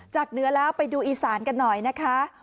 เหนือแล้วไปดูอีสานกันหน่อยนะคะ